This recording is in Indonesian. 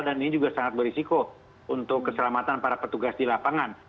dan ini juga sangat berisiko untuk keselamatan para petugas di lapangan